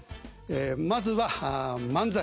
まずは漫才